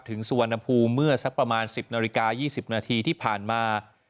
สุวรรณภูมิเมื่อสักประมาณ๑๐นาฬิกา๒๐นาทีที่ผ่านมา